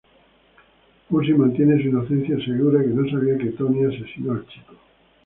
Pussy mantiene su inocencia y asegura que no sabía que Tony asesinó al chico.